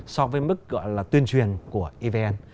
so với mức gọi là tuyên truyền của evn